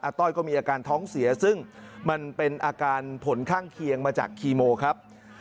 ต้อยก็มีอาการท้องเสียซึ่งมันเป็นอาการผลข้างเคียงมาจากคีโมครับ